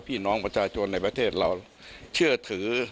พี่น้องประชาชนในประเทศเราเชื่อถือ